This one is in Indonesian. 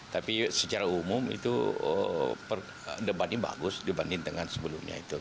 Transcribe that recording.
tapi secara umum itu debatnya bagus dibanding dengan sebelumnya itu